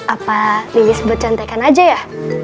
apa lilis buat cantekan aja ya